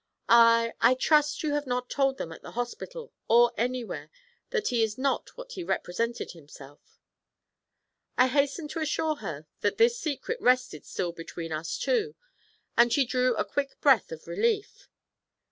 I I trust you have not told them at the hospital, or anywhere, that he is not what he has represented himself.' I hastened to assure her that this secret rested still between us two, and she drew a quick breath of relief.